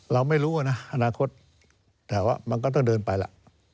เราไม่รู้นะอนาคตแต่ว่ามันก็ต้องเดินไปล่ะ